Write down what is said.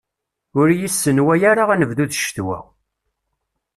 Ur iyi-ssenway ara anebdu d ccetwa!